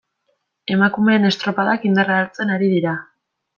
Emakumeen estropadak indarra hartzen ari dira.